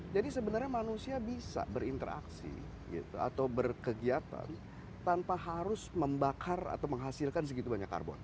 jadi sebenarnya manusia bisa berinteraksi atau berkegiatan tanpa harus membakar atau menghasilkan segitu banyak karbon